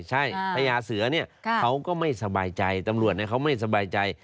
ใช่พญาเสือเนี่ยเขาก็ไม่สบายใจตำรวจเขาไม่สบายใจ